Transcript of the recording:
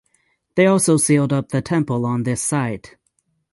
They also sealed up the temple on this site.